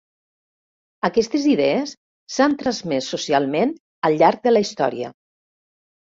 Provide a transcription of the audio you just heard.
Aquestes idees s'han transmès socialment al llarg de la història.